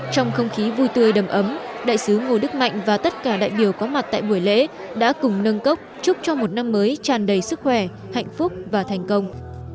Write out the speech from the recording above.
trong không khí vui tươi đầm ấm đại sứ ngô đức mạnh và tất cả đại biểu có mặt tại buổi lễ đã cùng nâng cốc chúc cho một năm mới tràn đầy sức khỏe hạnh phúc và thành công